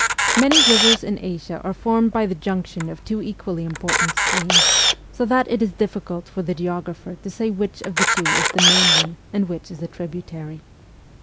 Many rivers in Asia are formed by the junction of two equally important streams, so that it is difficult for the geographer to say which of the two is the main one and which is a tributary.